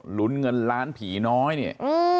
ลุ้นเงินล้านผีน้อยเนี่ย